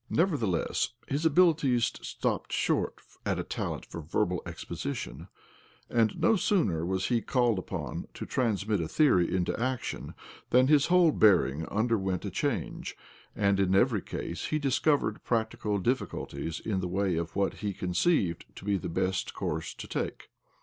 Never theless, his abilities stopped short at a talent for verbal exposition ; and no sooner was he called upon to transmit a theory into action than his whole bearing underwent a change, and in every case he discovered practical difficulties in the way of what he conceived to be the best course to take.